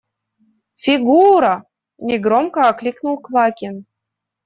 – Фигура! – негромко окликнул Квакин.